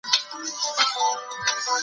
متخصصین به د اقتصادي وضعیت ارزونه کوي.